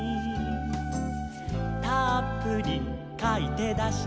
「たっぷりかいてだした」